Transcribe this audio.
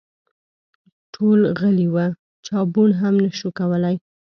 ټول غلي وه ، چا بوڼ هم شو کولی !